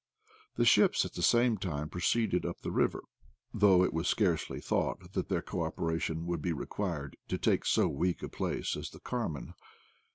The ships at the same time proceeded up the river, though it was scarcely thought that their co operation would be required to take so weak a place as the Carmen.